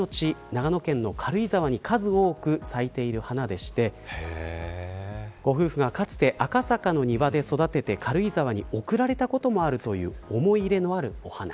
長野県の軽井沢に数多く咲いている花でしてご夫婦がかつて赤坂の庭で育てて軽井沢に送られたこともあるという思い入れのあるお花。